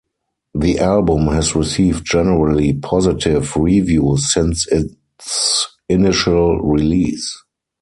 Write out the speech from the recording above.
The album has received generally positive reviews since its initial release.